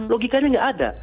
logikanya nggak ada